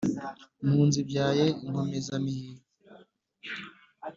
mpunzi ibyaye inkomezamihigo,